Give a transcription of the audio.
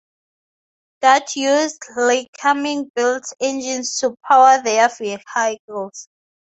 Dort used Lycoming built engines to power their vehicles.